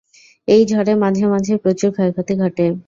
এই ঝড়ে মাঝে মাঝেই প্রচুর ক্ষয়ক্ষতি ঘটে।